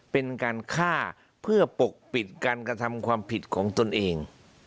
เป็นการฆ่าเพื่อปกปิดการกระทำความผิดของตนเอง